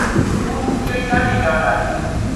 او پول کمی دارد.